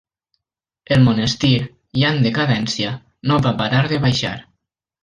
El monestir, ja en decadència, no va parar de baixar.